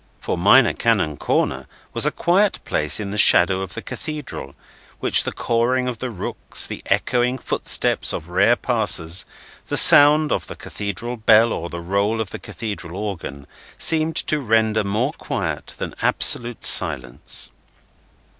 For Minor Canon Corner was a quiet place in the shadow of the Cathedral, which the cawing of the rooks, the echoing footsteps of rare passers, the sound of the Cathedral bell, or the roll of the Cathedral organ, seemed to render more quiet than absolute silence.